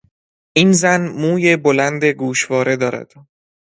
این زن مو بلند گوشواره دارد.